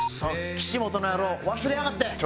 キシモトの野郎忘れやがって！